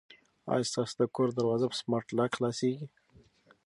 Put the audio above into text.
آیا ستاسو د کور دروازه په سمارټ لاک خلاصیږي؟